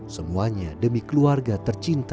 semuanya demi keluarga tercipta